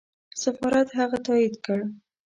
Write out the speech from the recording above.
سفارت هغه تایید کړ.